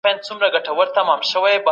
هغه د خپلي راتلونکي لپاره پلان جوړوي.